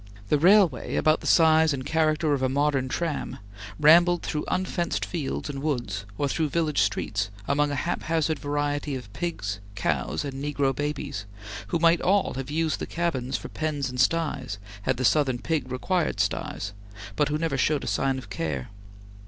The railway, about the size and character of a modern tram, rambled through unfenced fields and woods, or through village streets, among a haphazard variety of pigs, cows, and negro babies, who might all have used the cabins for pens and styes, had the Southern pig required styes, but who never showed a sign of care.